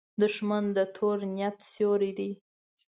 دښمن د تور نیت سیوری دی